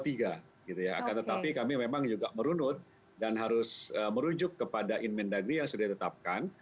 tetapi kami memang juga merunut dan harus merujuk kepada inmen dagri yang sudah ditetapkan